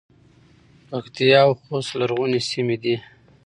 پکتیا او خوست لرغونې سیمې دي